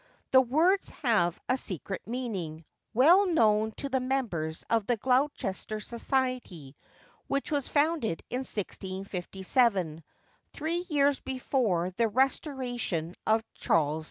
The words have a secret meaning, well known to the members of the Gloucestershire Society, which was founded in 1657, three years before the Restoration of Charles II.